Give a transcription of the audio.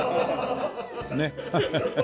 ねっハハハ。